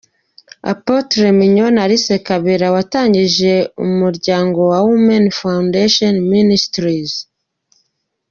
Apotre Mignone Alice Kabera watangije umuryango Women Foundation Ministries.